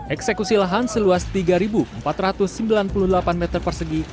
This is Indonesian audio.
eksekusi lahan seluas tiga empat ratus sembilan puluh delapan meter persegi